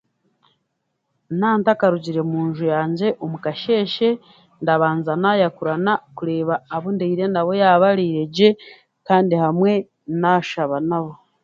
Nantakarugire mu nju yangye omu kasheeshe, ndabanza naayakurana kureeba abu ndeire nabo yaaba bareiregye, kandi hamwe naashaba nabo.